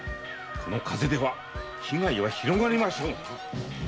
この風では被害は広がりましょう。